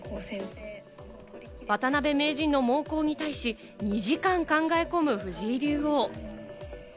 渡辺名人の猛攻に対し、２時間考え込む藤井竜王。